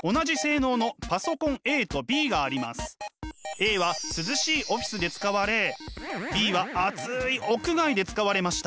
Ａは涼しいオフィスで使われＢは暑い屋外で使われました。